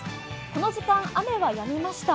この時間、雨はやみました。